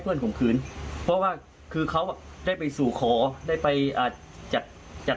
เพื่อนขงขืนเพราะว่าคือเขาได้ไปสู่ขอได้ไปเอาจัดจัด